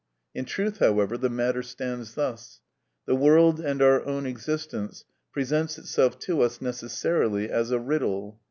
In truth, however, the matter stands thus: The world and our own existence presents itself to us necessarily as a riddle.